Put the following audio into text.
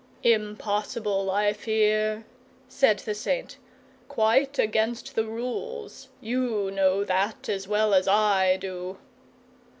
"Impossible, I fear," said the Saint. "Quite against the rules. YOU know that as well as I do."